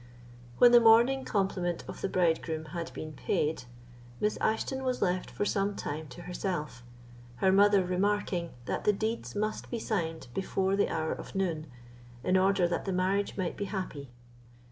When the morning compliment of the bridegroom had been paid, Miss Ashton was left for some time to herself; her mother remarking, that the deeds must be signed before the hour of noon, in order that the marriage might be happy.